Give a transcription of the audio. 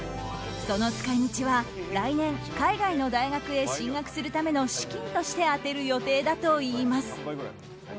その使い道は来年海外の大学へ進学するための資金として充てる予定だといいます。